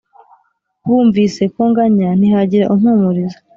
“Bumvise ko nganya ntihagira umpumuriza,